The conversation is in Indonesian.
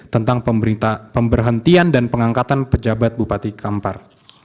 tentang pemberhentian dan pengangkatan pejabat bupati kampar